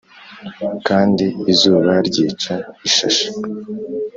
Kandi izuba ryica ishashi,